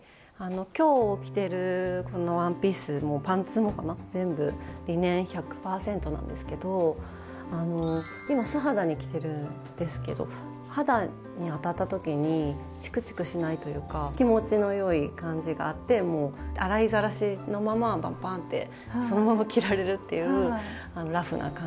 今日着てるこのワンピースもパンツもかな全部リネン１００％なんですけど今素肌に着てるんですけど肌に当たった時にチクチクしないというか気持ちの良い感じがあってもう洗いざらしのままパンパンってそのまま着られるっていうラフな感じもすごく気に入ってます。